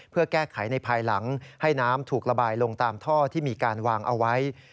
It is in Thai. เพื่อแก้ไขในภายหลังให้น้ำถูกระบายลงตามท่อที่มีการวางเอาไว้